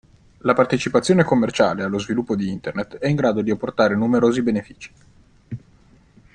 La partecipazione commerciale allo sviluppo di Internet è in grado di apportare numerosi benefici.